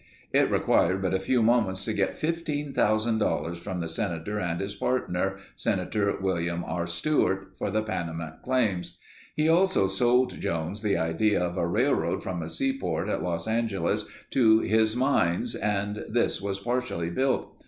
It required but a few moments to get $15,000 from the Senator and his partner, Senator William R. Stewart, for the Panamint claims. He also sold Jones the idea of a railroad from a seaport at Los Angeles to his mines and this was partially built.